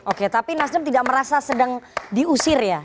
oke tapi nasdem tidak merasa sedang diusir ya